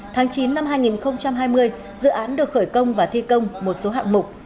tháng chín năm hai nghìn hai mươi dự án được khởi công và thi công một số hạng mục